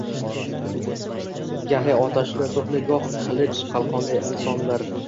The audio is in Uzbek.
Gahi otashli, toʻpli goh qilich qalqonli insonlar